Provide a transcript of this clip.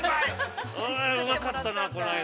うまかったな、この間。